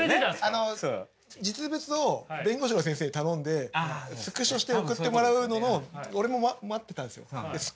あの実物を弁護士の先生に頼んでスクショして送ってもらうのを俺も待ってたんですよ。